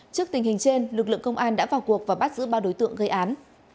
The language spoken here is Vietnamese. trước tình hình trên lực lượng công an đã vào cuộc và bắt giữ ba đối tượng gây án